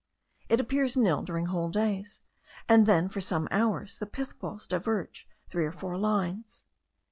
It appears nil during whole days; and then for some hours the pith balls diverge three or four lines.